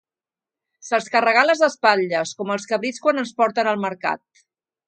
Se'ls carregà a les espatlles, com els cabrits quan es porten al mercat.